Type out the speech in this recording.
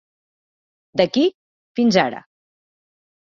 D'aquí, fins ara.